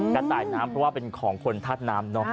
กระต่ายน้ำเพราะว่าเป็นของคนทัศน้ำ